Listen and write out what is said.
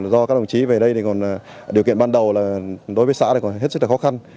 do các đồng chí về đây điều kiện ban đầu đối với xã còn hết sức khó khăn